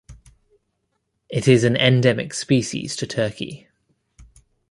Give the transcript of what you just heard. Its is an endemic species to Turkey.